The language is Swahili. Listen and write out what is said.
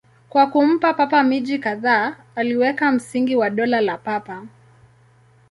Kwa kumpa Papa miji kadhaa, aliweka msingi wa Dola la Papa.